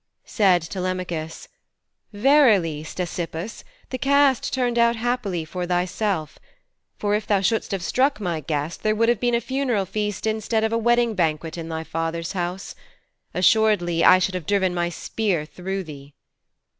Said Telemachus, 'Verily, Ctesippus, the cast turned out happily for thyself. For if thou shouldst have struck my guest, there would have been a funeral feast instead of a wedding banquet in thy father's house. Assuredly I should have driven my spear through thee.'